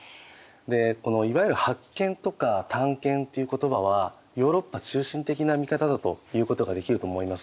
いわゆる「発見」とか「探検」っていう言葉はヨーロッパ中心的な見方だということができると思います。